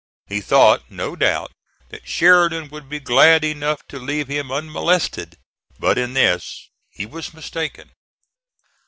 He thought, no doubt, that Sheridan would be glad enough to leave him unmolested; but in this he was mistaken.